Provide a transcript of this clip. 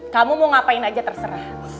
kamu mau ngapain aja terserah